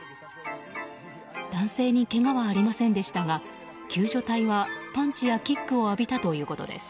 男性にけがはありませんでしたが救助隊はパンチやキックを浴びたということです。